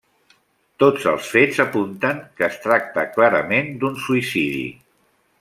Tots els fets apunten que es tracta clarament d'un suïcidi.